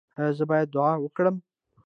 ایا زه باید دعا وکړم؟